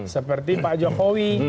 seperti pak jokowi